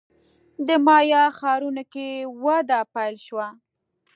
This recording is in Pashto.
د مایا ښارونو کې وده پیل شوه.